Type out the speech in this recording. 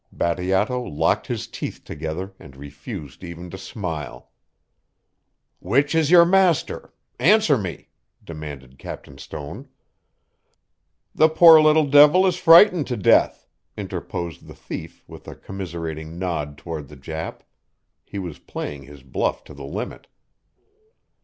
Bateato locked his teeth together and refused even to smile. "Which is your master? Answer me!" demanded Captain Stone. "The poor little devil is frightened to death," interposed the thief with a commiserating nod toward the Jap. He was playing his bluff to the limit.